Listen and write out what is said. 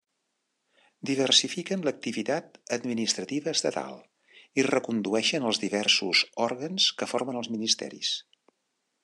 Diversifiquen l'activitat administrativa estatal i recondueixen els diversos òrgans que formen els ministeris.